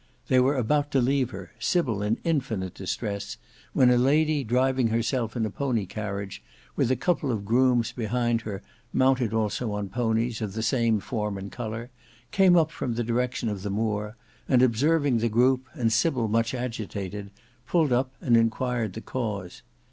They were about to leave her, Sybil in infinite distress, when a lady driving herself in a pony carriage, with a couple of grooms behind her mounted also on ponies of the same form and colour, came up from the direction of the Moor, and observing the group and Sybil much agitated, pulled up and enquired the cause.